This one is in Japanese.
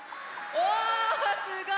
おおすごい！